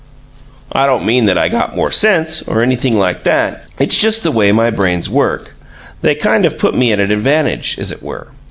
I don't mean that I got more sense, or anything like that; it's just the way my brains work; they kind of put me at an advantage, as it were.